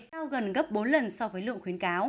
cao gần gấp bốn lần so với lượng khuyến cáo